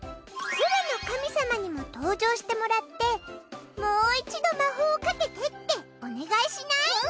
ツルのかみさまにも登場してもらってもう一度まほうをかけてっておねがいしない？